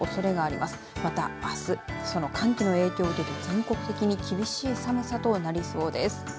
またあすその寒気の影響を受けて全国的に厳しい寒さとなりそうです。